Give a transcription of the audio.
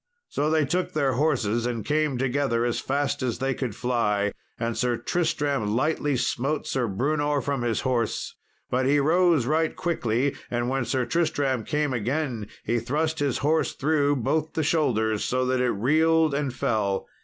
So they took their horses and came together as fast as they could fly, and Sir Tristram lightly smote Sir Brewnor from his horse. But he rose right quickly, and when Sir Tristram came again he thrust his horse through both the shoulders, so that it reeled and fell.